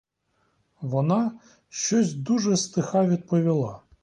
Вона щось дуже стиха відповіла.